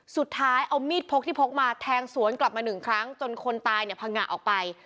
สุดท้ายเอามีดพกที่พกมาแทงสวนกลับมาหนึ่งครั้งจนคนตายเนี่ยพังงะออกไป